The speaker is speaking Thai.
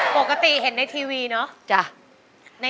ปกติเห็นในทีวีเนอะ